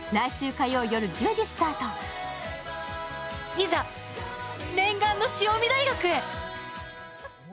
いざ念願の潮見大学へ。